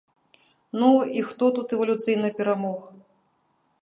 Ну і хто тут эвалюцыйна перамог?